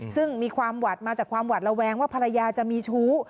ซึ่งมีความหวัดมาจากความหวัดระแวงว่าภรรยาจะมีชู้